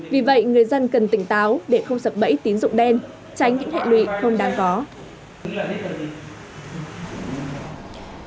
vì vậy người dân cần tỉnh táo để không sập bẫy tín dụng đen tránh những hệ lụy không đáng có